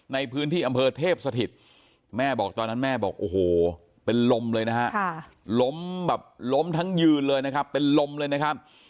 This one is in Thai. ในพื้นที่อำเภอเทพสถิตแม่บอกตอนนั้นแม่บอกโอ้โหเป็นลมเลยนะฮะล้มแบบล้มทั้งยืนเลยนะครับเป็นลมเลยนะครับ